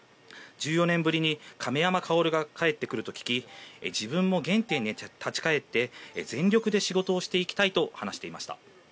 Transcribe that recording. １４年ぶりに亀山薫が帰ってくると聞き自分も原点に返って全力で仕事をしていきたいと話していました。